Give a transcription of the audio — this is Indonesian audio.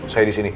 saya di sini